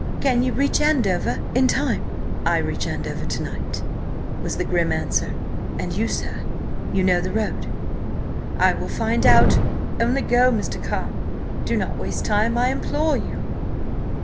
Can you reach Andover–in time?" "I reach Andover to night," was the grim answer. "And you, sir? You know the road?" "I will find out. Only go, Mr. Carr! Do not waste time, I implore you!"